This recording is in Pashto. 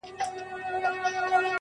د زړگي ښار ته مي لړم د لېمو مه راوله.